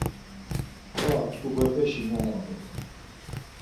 Ma t̆ǩubepeşi nana bore.